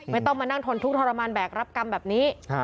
ไม่ต้องมานั่งทนทุกข์ทรมานแบกรับกรรมแบบนี้